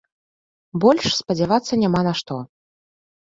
Больш спадзявацца няма на што.